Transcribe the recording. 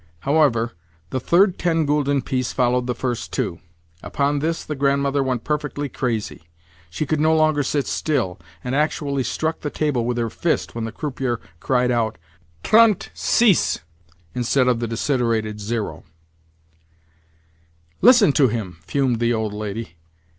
However, the third ten gülden piece followed the first two. Upon this the Grandmother went perfectly crazy. She could no longer sit still, and actually struck the table with her fist when the croupier cried out, "Trente six," instead of the desiderated zero. "To listen to him!" fumed the old lady.